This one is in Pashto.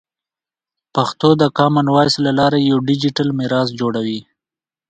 پښتو د کامن وایس له لارې یوه ډیجیټل میراث جوړوي.